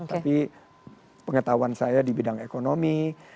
tapi pengetahuan saya di bidang ekonomi